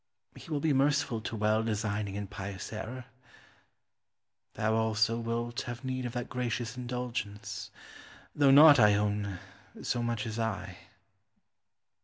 He will be merciful to well designing and pious error. Thou also wilt have need of that gracious indulgence, though not, I own, so much as I.